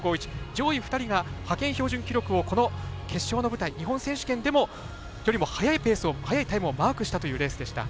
上位２人が派遣標準記録をこの決勝の舞台日本選手権で早いタイムをマークしたというレースでした。